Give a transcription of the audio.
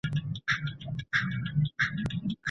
د احاديثو شارحينو ليکلي دي.